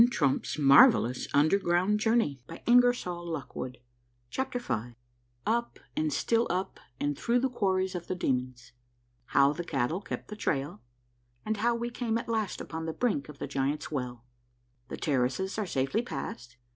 28 A MARVELLOUS UNDERGROUND JOURNEY CHAPTER V UP AISTD STILL UP, AND THROUGH THE QUARRIES OF THE DEMONS. — HOW THE CATTLE KEPT THE TRAIL, AND HOW WE CAME AT LAST UPON THE BRINK OF THE GIANTS' WELL. — THE TERRACES ARE SAFELY PASSED.